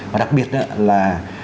và đặc biệt là